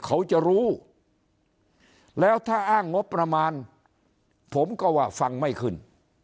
เขาจะรู้แล้วถ้าอ้างงบประมาณผมก็ว่าฟังไม่ขึ้น